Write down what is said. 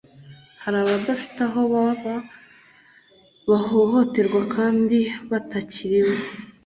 hariabadafite aho baba, bahohoterwa kandi batakiriwe